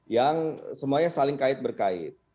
yang semuanya saling kait berkait